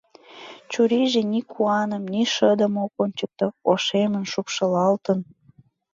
Чурийже ни куаным, ни шыдым ок ончыкто — ошемын, шупшылалтын.